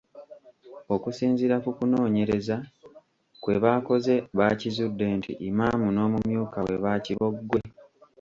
Okusinziira ku kunoonyereza kwe baakoze baakizudde nti Imam n'omumyuka we baakibogwe.